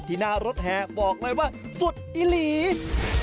หน้ารถแห่บอกเลยว่าสุดอิหลี